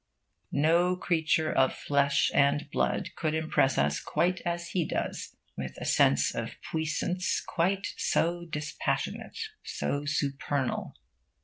No creature of flesh and blood could impress us quite as he does, with a sense of puissance quite so dispassionate, so supernal.